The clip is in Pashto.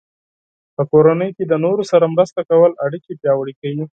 په کورنۍ کې د نورو سره مرسته کول اړیکې پیاوړې کوي.